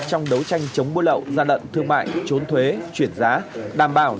trong đấu tranh chống mua lậu gia đận thương mại trốn thuế chuyển giá đảm bảo